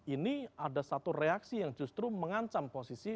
ini ada satu reaksi yang justru mengancam posisi